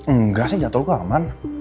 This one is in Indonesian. enggak sih jatuh gue aman